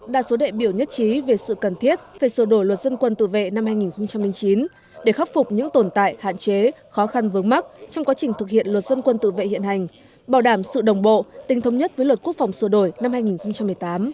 đa số đại biểu nhất trí về sự cần thiết về sửa đổi luật dân quân tự vệ năm hai nghìn chín để khắc phục những tồn tại hạn chế khó khăn vướng mắt trong quá trình thực hiện luật dân quân tự vệ hiện hành bảo đảm sự đồng bộ tình thống nhất với luật quốc phòng sửa đổi năm hai nghìn một mươi tám